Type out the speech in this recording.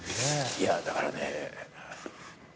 いやだからね。